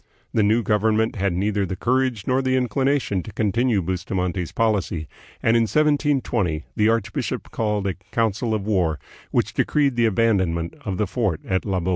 The new government had neither the courage nor the inclination to continue Busta mante's policy, and in 1720 the archbishop called a coun cil of war, which decreed the abandonment of the fort at Labo.